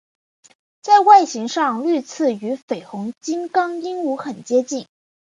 在外形上绿翅与绯红金刚鹦鹉很接近。